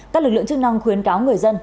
các lực lượng chức năng khuyến cáo người dân